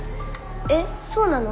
えっそうなの？